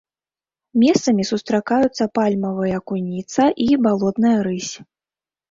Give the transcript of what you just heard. Месцамі сустракаюцца пальмавая куніца і балотная рысь.